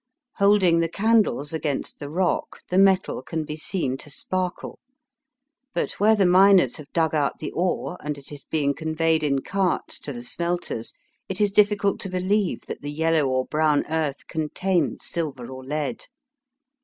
Holding the candles against the rock, the metal can be seen to sparkle ; but where the miners have dug out the ore and it is being conveyed in carts to the smelters it is difficult to believe that the yellow or brown earth contains silver or lead.